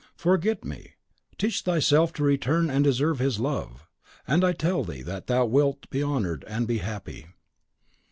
Forget me; teach thyself to return and deserve his love; and I tell thee that thou wilt be honoured and be happy."